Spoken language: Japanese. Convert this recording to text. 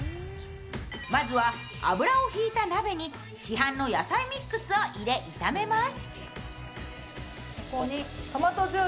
まずは油を引いた鍋に、市販の野菜ミックスを入れ、炒めます。